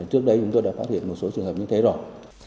trước đây chúng tôi đã phát hiện một số trường hợp như thế rồi